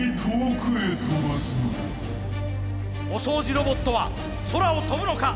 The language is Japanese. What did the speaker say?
お掃除ロボットは空を跳ぶのか。